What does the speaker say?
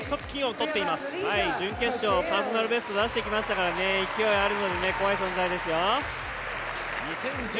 準決勝、パーソナルベスト出してきましたので勢いありますので怖い選手ですよ。